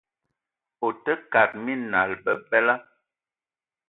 Ote kate minal bebela.